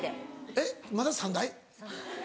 えっまだ３台？